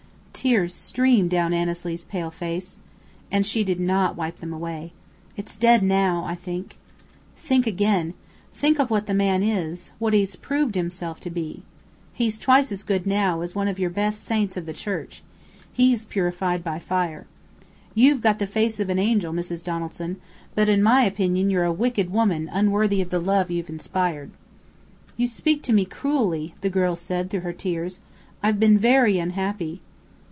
Tears streamed down Annesley's pale face, and she did not wipe them away. "It's dead now I think." "Think again. Think of what the man is what he's proved himself to be. He's twice as good now as one of your best saints of the Church. He's purified by fire. You've got the face of an angel, Mrs. Donaldson, but in my opinion you're a wicked woman unworthy of the love you've inspired." "You speak to me cruelly," the girl said through her tears. "I've been very unhappy!"